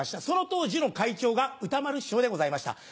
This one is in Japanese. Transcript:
その当時の会長が歌丸師匠でございました。